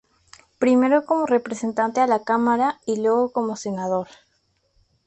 Primero como representante a la Cámara y luego como senador.